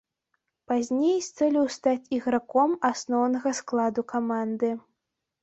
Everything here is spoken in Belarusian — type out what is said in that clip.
Пазней здолеў стаць іграком асноўнага складу каманды.